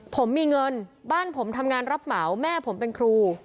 ผมมีเงินบ้านผมทำงานรับเหมาแม่ผมเป็นครู